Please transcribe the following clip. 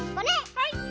はい。